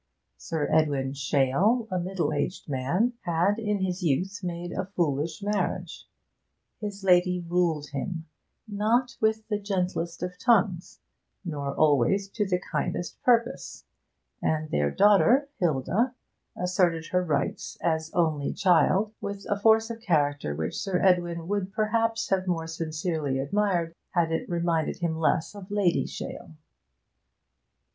Sir Edwin Shale, a middle aged man, had in his youth made a foolish marriage; his lady ruled him, not with the gentlest of tongues, nor always to the kindest purpose, and their daughter, Hilda, asserted her rights as only child with a force of character which Sir Edwin would perhaps have more sincerely admired had it reminded him less of Lady Shale.